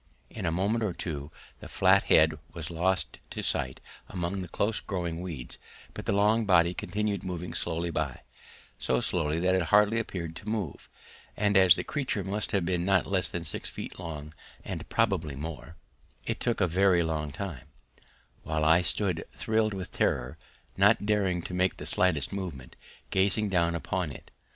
In a moment or two the flat head was lost to sight among the close growing weeds, but the long body continued moving slowly by so slowly that it hardly appeared to move, and as the creature must have been not less than six feet long, and probably more, it took a very long time, while I stood thrilled with terror, not daring to make the slightest movement, gazing down upon it.